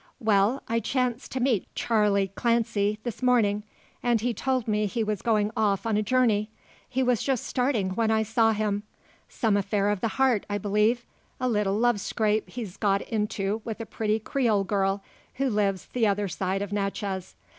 "Well; I chanced to meet Charley Clancy this morning, and he told me he was going off on a journey. He was just starting when I saw him. Some affair of the heart, I believe; a little love scrape he's got into with a pretty Creole girl, who lives t'other side of Natchez.